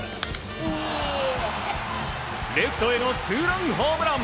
レフトへのツーランホームラン。